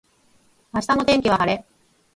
明日の天気は晴れ。